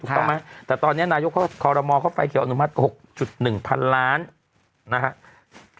ต้องมั้ยแต่ตอนนี้นายุทธ์ขอรมอเข้าไฟเขียวอนุมัติ๖๑พันล้านนะครับ